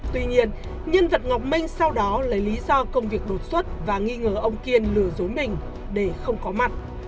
tuy nhiên nhân vật ngọc minh sau đó lấy lý do công việc đột xuất và nghi ngờ ông kiên lừa dối mình để không có mặt